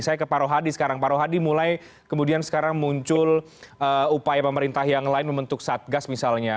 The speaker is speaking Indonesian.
saya ke paroh hadi sekarang paroh hadi mulai kemudian sekarang muncul upaya pemerintah yang lain membentuk satgas misalnya